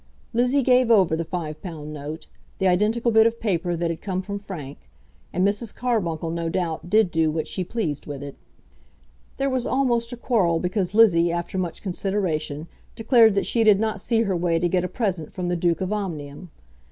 Lizzie gave over the five pound note, the identical bit of paper that had come from Frank; and Mrs. Carbuncle, no doubt, did do what she pleased with it. There was almost a quarrel because Lizzie, after much consideration, declared that she did not see her way to get a present from the Duke of Omnium.